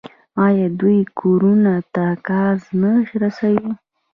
آیا دوی کورونو ته ګاز نه رسوي؟